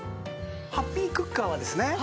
ハッピークッカーはですね